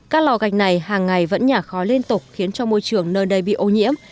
các lò gạch này hàng ngày vẫn nhả khói liên tục khiến cho môi trường nơi đây bị ô nhiễm